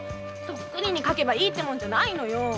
そっくりに描けばいいってものじゃないのよ。